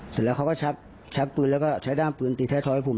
เสร็จแล้วเขาก็ชักปืนแล้วก็ใช้ด้ามปืนตีท้ายท้อยผม